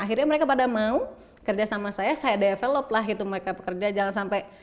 akhirnya mereka pada mau kerja sama saya saya develop lah itu mereka pekerja jangan sampai